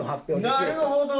なるほど！